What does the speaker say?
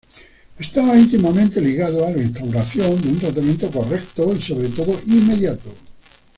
Está íntimamente ligado a la instauración de un tratamiento correcto y sobre todo, inmediato.